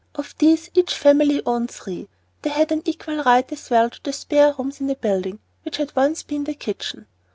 Of these each family owned three, and they had an equal right as well to the spare rooms in the building which had once been the kitchen.